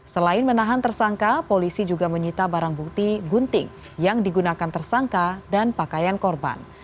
selain menahan tersangka polisi juga menyita barang bukti gunting yang digunakan tersangka dan pakaian korban